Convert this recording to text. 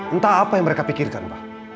entah apa yang mereka pikirkan pak